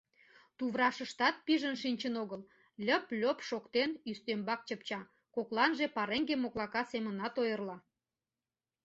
Туврашыштат пижын шинчын огыл, льып-льоп шоктен, ӱстембак чыпча, кокланже пареҥге моклака семынат ойырла.